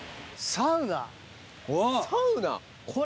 サウナ？